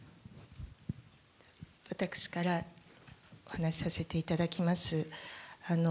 私からお話しさせていただきます。